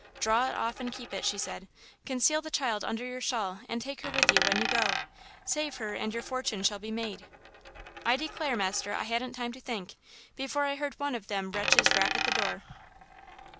"'Draw it off and keep it,' she said; 'conceal the child under your shawl and take her with you when you go! Save her and your fortune shall be made.' "I declare, master, I hadn't time to think, before I heard one of them wretches rap at the door.